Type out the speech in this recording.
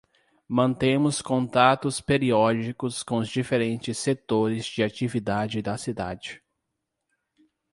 Mantemos contatos periódicos com os diferentes setores de atividade da cidade.